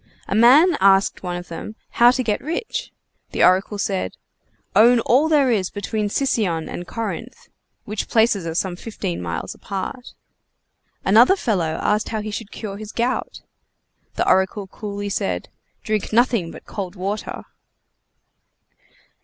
A man asked one of them how to get rich? The oracle said: "Own all there is between Sicyon and Corinth." Which places are some fifteen miles apart. Another fellow asked how he should cure his gout? The oracle coolly said: "Drink nothing but cold water!"